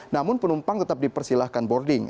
namun penumpang tetap dipersilahkan boarding